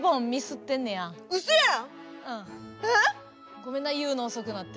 ごめんな言うの遅くなって。